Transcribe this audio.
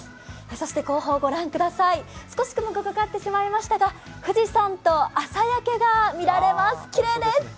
そして後方少し雲がかかってしまいましたが富士山と朝焼けが見られます、きれいです。